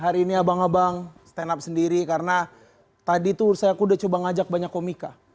hari ini abang abang stand up sendiri karena tadi tuh saya aku udah coba ngajak banyak komika